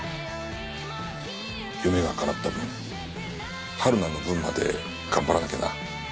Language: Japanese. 夢がかなった分春菜の分まで頑張らなきゃな。